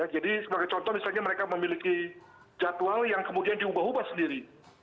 jadi sebagai contoh misalnya mereka memiliki jadwal yang kemudian diubah ubah sendiri